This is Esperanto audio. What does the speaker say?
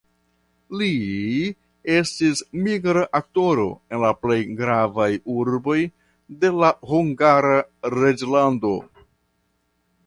Li estis migra aktoro en la plej gravaj urboj de la Hungara reĝlando.